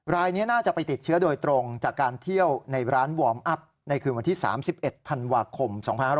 รายนี้น่าจะไปติดเชื้อโดยตรงจากการเที่ยวในร้านวอร์มอัพในคืนวันที่๓๑ธันวาคม๒๕๖๐